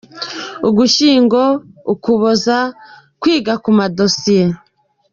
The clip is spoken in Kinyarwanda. Ugushyingo – Ukuboza : Kwiga ku madosiye;.